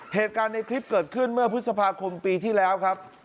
เหตุการณ์ในคลิปเกิดขึ้นเมื่อพฤษภาคมปีที่แล้วครับ